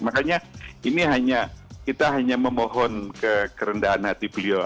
makanya ini hanya kita hanya memohon ke kerendahan hati beliau